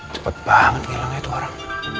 cepet banget kehilangnya itu orang